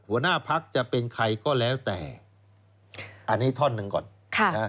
หัวหน้าพักจะเป็นใครก็แล้วแต่อันนี้ท่อนหนึ่งก่อนค่ะนะ